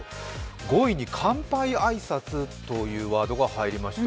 ５位に乾杯挨拶というワードが入りました。